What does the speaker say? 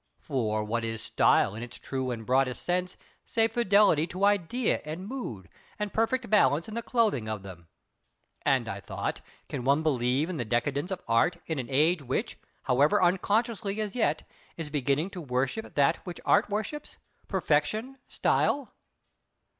For, what is Style in its true and broadest sense save fidelity to idea and mood, and perfect balance in the clothing of them? And I thought: Can one believe in the decadence of Art in an age which, however unconsciously as yet, is beginning to worship that which Art worships—Perfection Style?